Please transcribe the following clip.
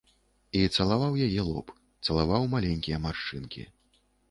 І цалаваў яе лоб, цалаваў маленькія маршчынкі.